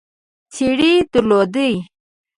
څېرې درلودې.